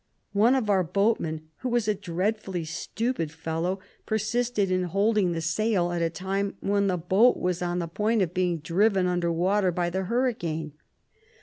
One of our boatmen, who was a dreadfully stupid fellow, persisted in holding the 121 sail at a time when the boat was on the point of being driven under water by the hurricane.